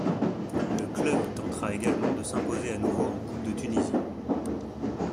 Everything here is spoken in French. Le club tentera également de s'imposer à nouveau en coupe de Tunisie.